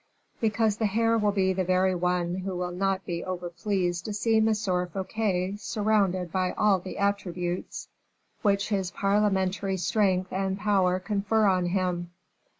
"Because the hare will be the very one who will not be over pleased to see M. Fouquet surrounded by all the attributes which his parliamentary strength and power confer on him."